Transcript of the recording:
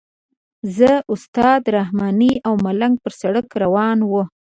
زه استاد رحماني او ملنګ پر سړک روان وو.